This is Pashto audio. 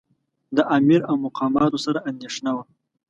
د امیر او مقاماتو سره اندېښنه وه.